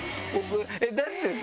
だってさ